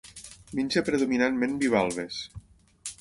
Menja predominantment bivalves.